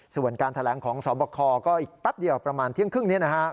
ส่วนการแถลงของสบคก็อีกแป๊บเดียวประมาณเที่ยงครึ่งนี้